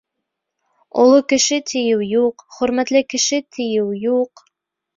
Оло кеше, тиеү юҡ, хөрмәтле кеше, тиеү юҡ.